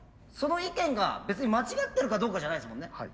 その意見が別に間違ってるかどうかじゃないんですもんね。